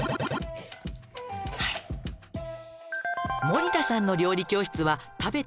「森田さんの料理教室は」